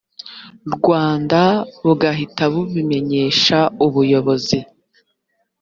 rwanda bugahita bubimenyesha ubuyobozi